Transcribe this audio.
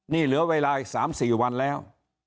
นี่เหลือเวลาอีก๓๔วันแล้ว